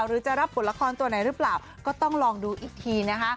หรือจะรับบทละครตัวไหนหรือเปล่าก็ต้องลองดูอีกทีนะคะ